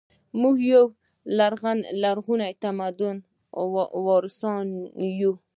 موږ د یو لرغوني تمدن وارثان یو